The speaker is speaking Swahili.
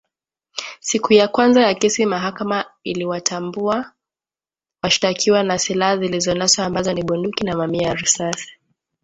Siku ya kwanza ya kesi mahakama iliwatambua washtakiwa na silaha zilizonaswa ambazo ni bunduki na mamia ya risasi